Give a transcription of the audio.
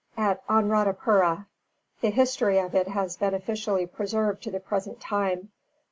At Annrādhapura. The history of it has been officially preserved to the present time.